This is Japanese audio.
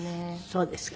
そうですか。